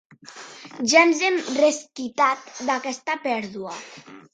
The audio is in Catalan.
Ja ens hem resquitat d'aquesta pèrdua.